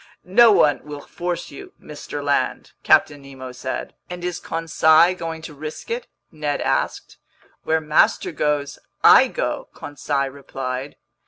"No one will force you, Mr. Land," Captain Nemo said. "And is Conseil going to risk it?" Ned asked. "Where master goes, I go," Conseil replied.